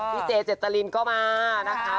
พี่เจเจ็ตตะลินก็มานะคะ